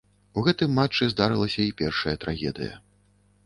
У гэтым матчы здарылася й першая трагедыя.